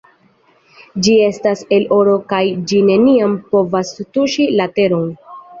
Ĝi estas el oro kaj ĝi neniam povas tuŝi la teron.